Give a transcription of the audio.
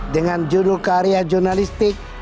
dengan judul karya jurnalistik